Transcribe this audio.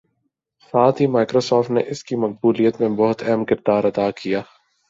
ساتھ ہی مائیکروسوفٹ نے اس کی مقبولیت میں بہت اہم کردار ادا کیا